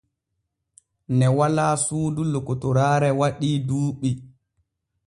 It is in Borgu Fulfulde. Ne walaa suudu lokotoraare waɗii duuɓi.